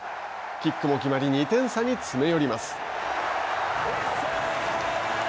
キックも決まり２点差に詰め寄ります。